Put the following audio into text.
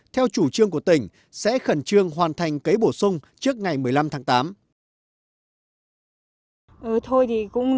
theo chủ trương của tỉnh sẽ khẩn trương hoàn thành cấy bổ sung trước ngày một mươi năm tháng tám